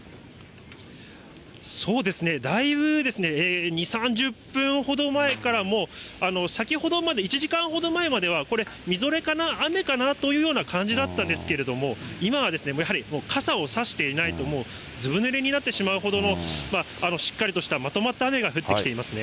そうですね、だいぶ２、３０分ほど前からもう先ほどまで、１時間ほど前までは、これ、みぞれかな、雨かなというような感じだったんですけれども、今はやはり、傘を差していないと、もうずぶぬれになってしまうほどの、しっかりとした、まとまった雨が降ってきていますね。